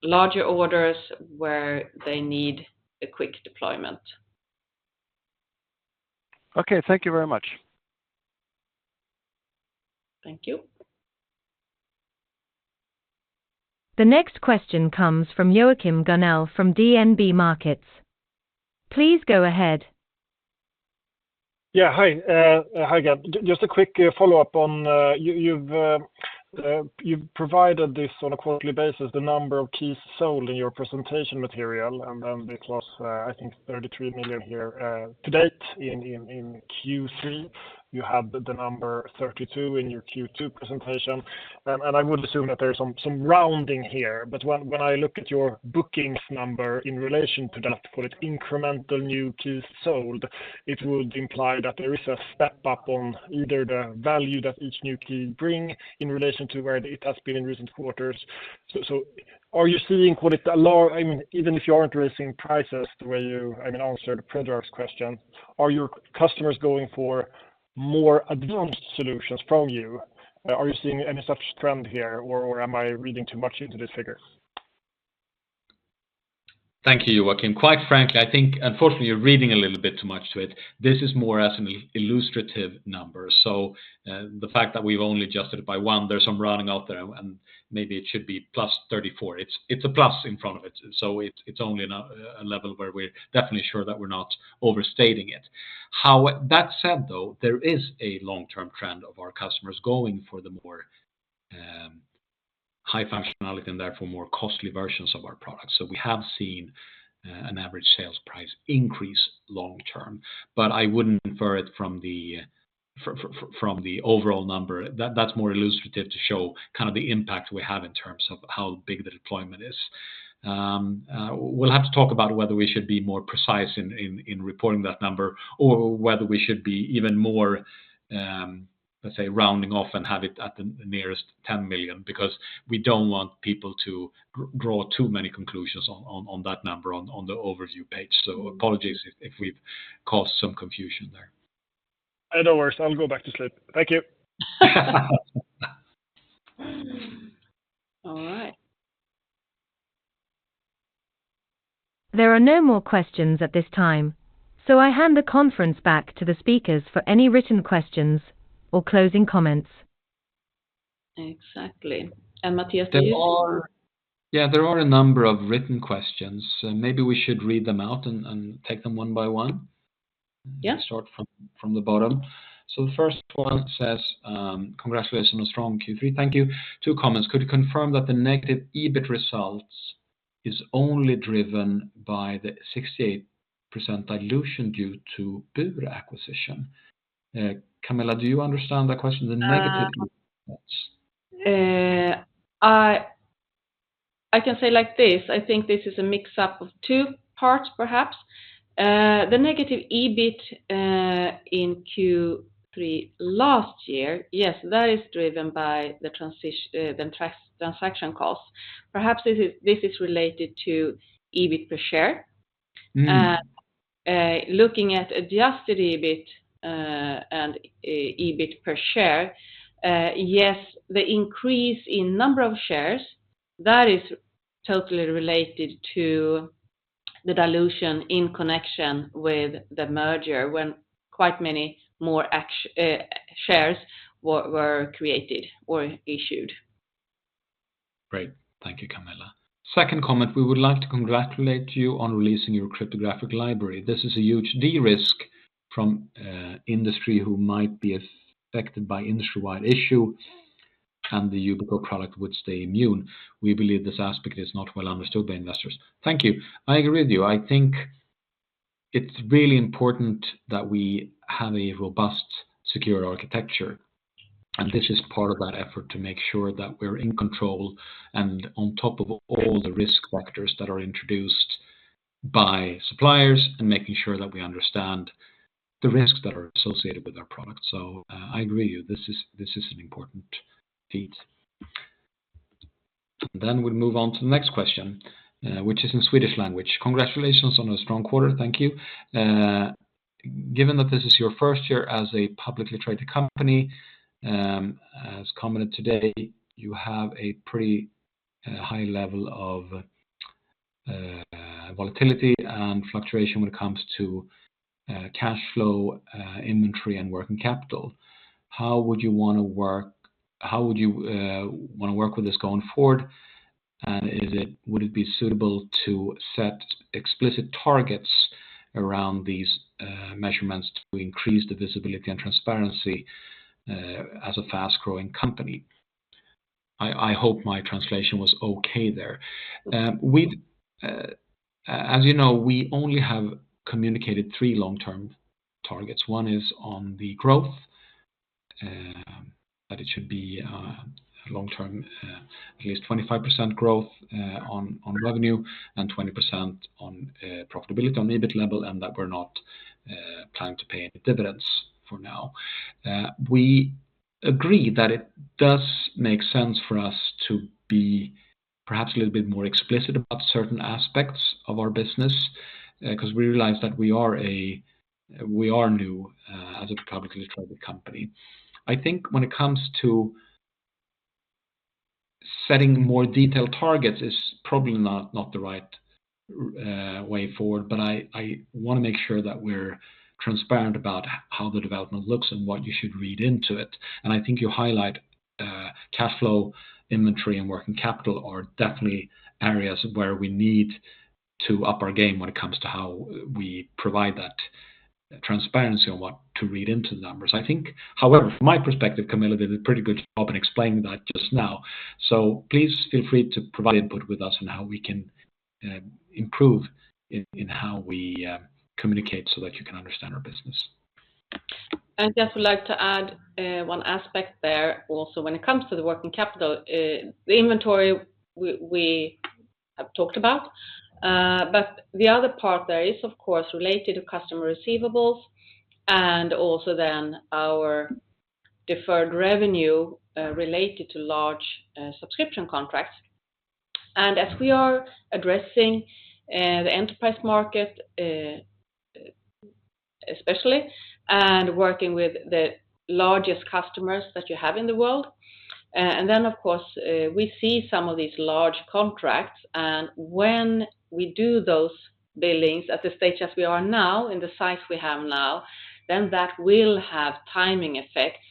larger orders where they need a quick deployment. Okay, thank you very much. Thank you. The next question comes from Joachim Gunell from DNB Markets. Please go ahead. Yeah, hi again. Just a quick follow-up on. You've provided this on a quarterly basis, the number of keys sold in your presentation material, and then this was, I think 33 million here, to date in Q3. You had the number 32 in your Q2 presentation, and I would assume that there's some rounding here, but when I look at your bookings number in relation to that, what the incremental new keys sold, it would imply that there is a step up on either the value that each new key brings in relation to where it has been in recent quarters. So are you seeing what it allows? I mean, even if you aren't raising prices the way you, I mean, answered Predrag's question, are your customers going for more advanced solutions from you? Are you seeing any such trend here, or am I reading too much into this figure? Thank you, Joachim. Quite frankly, I think unfortunately you're reading a little bit too much to it. This is more as an illustrative number. The fact that we've only adjusted it by one, there's some rounding out there, and maybe it should be plus 34. It's a plus in front of it. It's only a level where we're definitely sure that we're not overstating it. That said though, there is a long-term trend of our customers going for the more high functionality and therefore more costly versions of our products. We have seen an average sales price increase long-term, but I wouldn't infer it from the overall number. That's more illustrative to show kind of the impact we have in terms of how big the deployment is. We'll have to talk about whether we should be more precise in reporting that number or whether we should be even more, let's say, rounding off and have it at the nearest 10 million, because we don't want people to draw too many conclusions on that number on the overview page. So apologies if we've caused some confusion there. No worries. I'll go back to sleep. Thank you. All right. There are no more questions at this time, so I hand the conference back to the speakers for any written questions or closing comments. Exactly. And Mattias, do you have? Yeah, there are a number of written questions. Maybe we should read them out and take them one by one. Yeah. Start from the bottom. So the first one says, congratulations on a strong Q3. Thank you. Two comments. Could you confirm that the negative EBIT results is only driven by the 68% dilution due to Bure acquisition? Camilla, do you understand that question? The negative results? I can say like this. I think this is a mix-up of two parts perhaps. The negative EBIT, in Q3 last year, yes, that is driven by the transition, the transaction costs. Perhaps this is related to EBIT per share. Looking at adjusted EBIT, and EBIT per share, yes, the increase in number of shares, that is totally related to the dilution in connection with the merger when quite many more shares were created or issued. Great. Thank you, Camilla. Second comment, we would like to congratulate you on releasing your cryptographic library. This is a huge de-risk for industry who might be affected by industry-wide issue, and the Yubico product would stay immune. We believe this aspect is not well understood by investors. Thank you. I agree with you. I think it's really important that we have a robust, secure architecture, and this is part of that effort to make sure that we're in control and on top of all the risk factors that are introduced by suppliers and making sure that we understand the risks that are associated with our product. So, I agree with you. This is an important feat. And then we'll move on to the next question, which is in Swedish language. Congratulations on a strong quarter. Thank you. Given that this is your first year as a publicly traded company, as commented today, you have a pretty high level of volatility and fluctuation when it comes to cash flow, inventory, and working capital. How would you want to work? How would you want to work with this going forward? And would it be suitable to set explicit targets around these measurements to increase the visibility and transparency as a fast-growing company? I hope my translation was okay there. As you know, we only have communicated three long-term targets. One is on the growth, that it should be long-term at least 25% growth on revenue and 20% on profitability on EBIT level, and that we're not planning to pay any dividends for now. We agree that it does make sense for us to be perhaps a little bit more explicit about certain aspects of our business, because we realize that we are new as a publicly traded company. I think when it comes to setting more detailed targets is probably not the right way forward, but I want to make sure that we're transparent about how the development looks and what you should read into it. I think you highlight cash flow, inventory, and working capital are definitely areas where we need to up our game when it comes to how we provide that transparency on what to read into the numbers. I think, however, from my perspective, Camilla did a pretty good job in explaining that just now. Please feel free to provide input with us on how we can improve in how we communicate so that you can understand our business. Just would like to add, one aspect there also when it comes to the working capital, the inventory we have talked about, but the other part there is, of course, related to customer receivables and also then our deferred revenue, related to large subscription contracts. As we are addressing the enterprise market, especially and working with the largest customers that you have in the world, and then of course, we see some of these large contracts, and when we do those billings at the stage as we are now in the size we have now, then that will have timing effects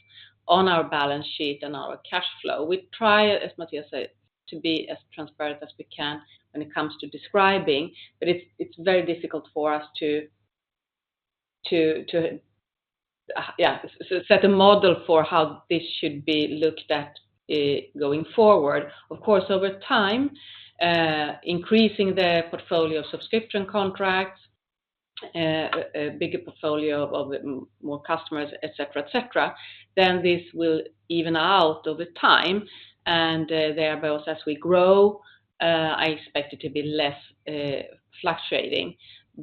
on our balance sheet and our cash flow. We try, as Mattias said, to be as transparent as we can when it comes to describing, but it's very difficult for us to, yeah, set a model for how this should be looked at, going forward. Of course, over time, increasing the portfolio of subscription contracts, a bigger portfolio of more customers, etc., etc., then this will even out over time, and therefore as we grow, I expect it to be less fluctuating.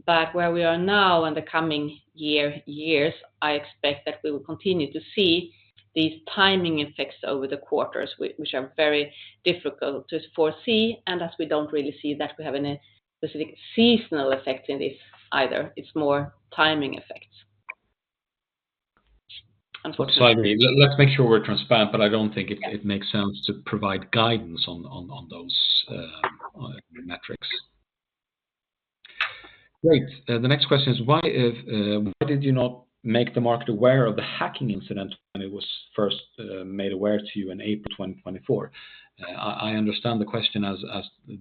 But where we are now and the coming years, I expect that we will continue to see these timing effects over the quarters, which are very difficult to foresee, and as we don't really see that we have any specific seasonal effects in this either. It's more timing effects. I'm sorry. Sorry, let's make sure we're transparent, but I don't think it makes sense to provide guidance on those metrics. Great. The next question is, why did you not make the market aware of the hacking incident when it was first made aware to you in April 2024? I understand the question as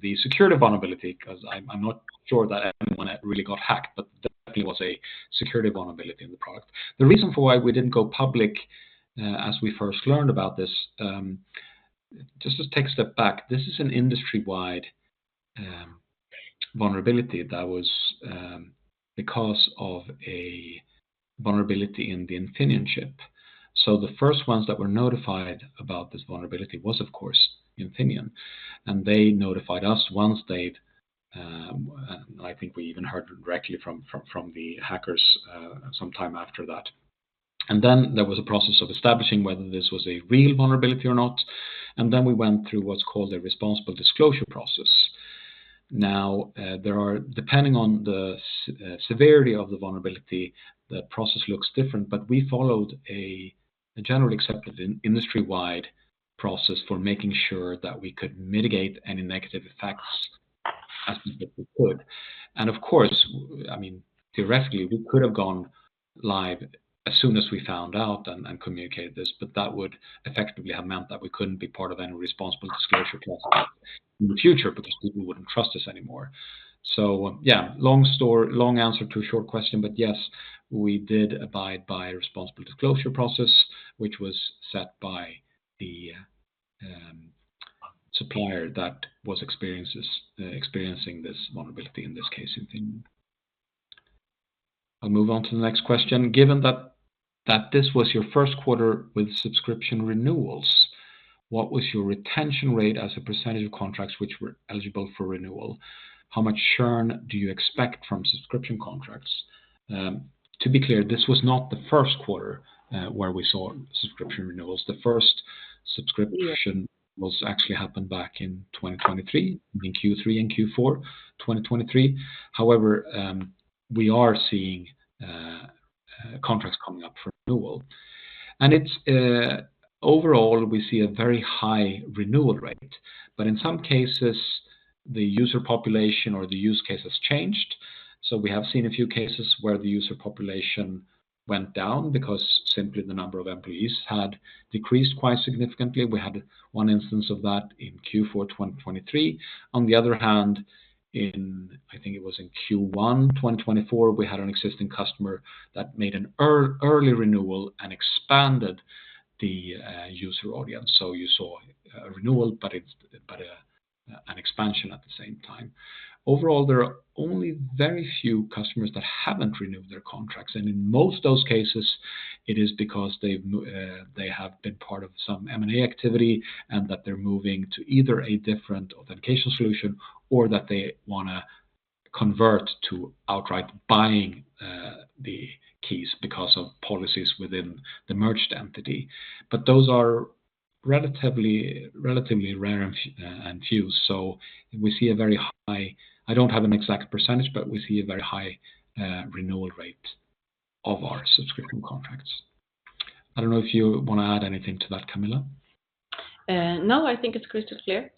the security vulnerability, because I'm not sure that anyone really got hacked, but there definitely was a security vulnerability in the product. The reason for why we didn't go public, as we first learned about this, just to take a step back, this is an industry-wide vulnerability that was because of a vulnerability in the Infineon chip. So the first ones that were notified about this vulnerability was, of course, Infineon, and they notified us once they've, and I think we even heard directly from the hackers, sometime after that. And then there was a process of establishing whether this was a real vulnerability or not, and then we went through what's called a responsible disclosure process. Now, there are, depending on the severity of the vulnerability, the process looks different, but we followed a generally accepted industry-wide process for making sure that we could mitigate any negative effects as much as we could. And of course, I mean, theoretically, we could have gone live as soon as we found out and communicated this, but that would effectively have meant that we couldn't be part of any responsible disclosure process in the future because people wouldn't trust us anymore. So, yeah, long story, long answer to a short question, but yes, we did abide by a responsible disclosure process, which was set by the supplier that was experiencing this vulnerability in this case. I'll move on to the next question. Given that, that this was your first quarter with subscription renewals, what was your retention rate as a percentage of contracts which were eligible for renewal? How much churn do you expect from subscription contracts? To be clear, this was not the first quarter where we saw subscription renewals. The first subscription was actually happened back in 2023, in Q3 and Q4 2023. However, we are seeing contracts coming up for renewal, and it's overall we see a very high renewal rate, but in some cases, the user population or the use case has changed. So we have seen a few cases where the user population went down because simply the number of employees had decreased quite significantly. We had one instance of that in Q4 2023. On the other hand, in I think it was in Q1 2024, we had an existing customer that made an early renewal and expanded the user audience. So you saw a renewal, but it's but an expansion at the same time. Overall, there are only very few customers that haven't renewed their contracts, and in most of those cases, it is because they have been part of some M&A activity and that they're moving to either a different authentication solution or that they want to convert to outright buying the keys because of policies within the merged entity. Those are relatively rare and few. So we see a very high renewal rate of our subscription contracts. I don't have an exact percentage, but we see a very high renewal rate of our subscription contracts. I don't know if you want to add anything to that, Camilla. No, I think it's crystal clear.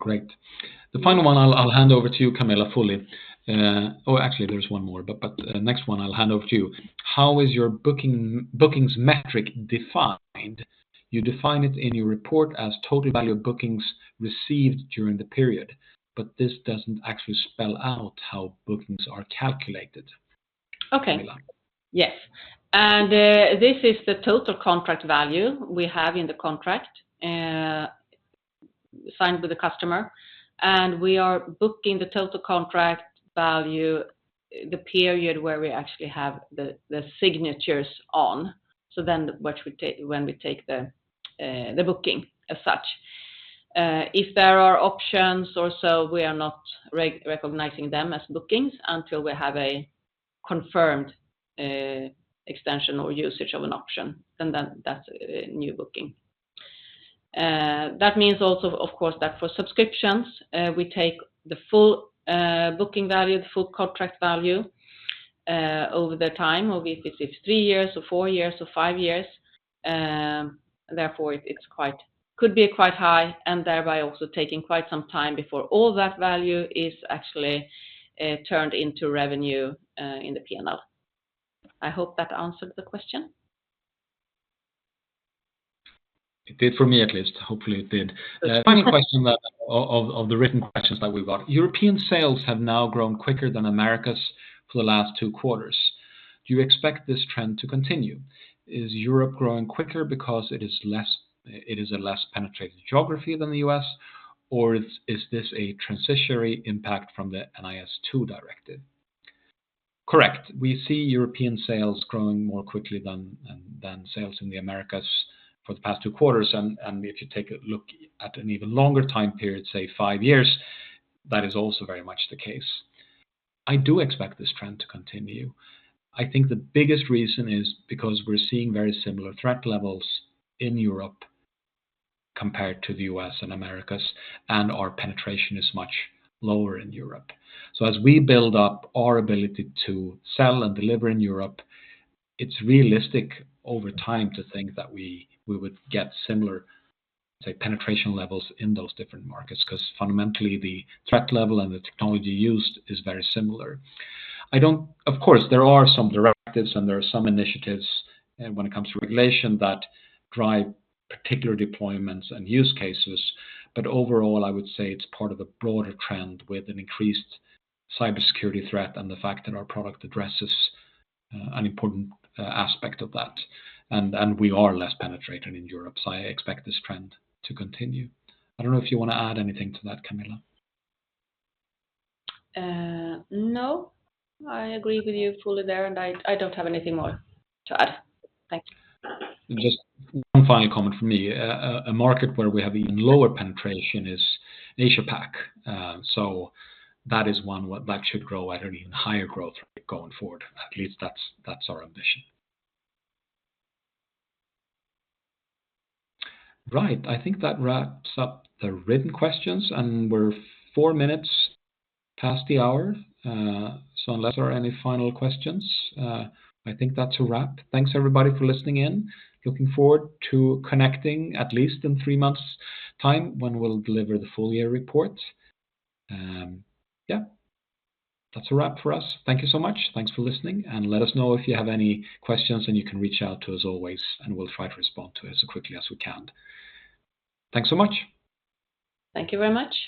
Great. The final one, I'll hand over to you, Camilla, fully. Actually, there's one more, but the next one I'll hand over to you. How is your bookings metric defined? You define it in your report as total value of bookings received during the period, but this doesn't actually spell out how bookings are calculated. Okay. Yes. And this is the total contract value we have in the contract, signed with the customer, and we are booking the total contract value, the period where we actually have the signatures on. So then what we take, when we take the booking as such. If there are options or so, we are not recognizing them as bookings until we have a confirmed extension or usage of an option, and then that's a new booking. That means also, of course, that for subscriptions, we take the full booking value, the full contract value, over the time of if it's three years or four years or five years. Therefore, it's quite, could be quite high, and thereby also taking quite some time before all that value is actually turned into revenue in the P&L. I hope that answered the question. It did for me at least. Hopefully it did. Final question, that of the written questions that we've got. European sales have now grown quicker than Americas for the last two quarters. Do you expect this trend to continue? Is Europe growing quicker because it is a less penetrated geography than the U.S., or is this a transitionary impact from the NIS2 Directive? Correct. We see European sales growing more quickly than sales in the Americas for the past two quarters, and if you take a look at an even longer time period, say five years, that is also very much the case. I do expect this trend to continue. I think the biggest reason is because we're seeing very similar threat levels in Europe compared to the U.S. and Americas, and our penetration is much lower in Europe, so as we build up our ability to sell and deliver in Europe, it's realistic over time to think that we would get similar, say, penetration levels in those different markets because fundamentally the threat level and the technology used is very similar. I don't, of course, there are some directives and there are some initiatives when it comes to regulation that drive particular deployments and use cases, but overall, I would say it's part of a broader trend with an increased cybersecurity threat and the fact that our product addresses an important aspect of that, and, and we are less penetrated in Europe. So I expect this trend to continue. I don't know if you want to add anything to that, Camilla. No, I agree with you fully there, and I, I don't have anything more to add. Thank you. Just one final comment from me. A market where we have even lower penetration is Asia-Pac. So that is one where that should grow at an even higher growth rate going forward. At least that's, that's our ambition. Right. I think that wraps up the written questions, and we're four minutes past the hour. So unless there are any final questions, I think that's a wrap. Thanks everybody for listening in. Looking forward to connecting at least in three months' time when we'll deliver the full year report. Yeah, that's a wrap for us. Thank you so much. Thanks for listening, and let us know if you have any questions and you can reach out to us always, and we'll try to respond to it as quickly as we can. Thanks so much. Thank you very much.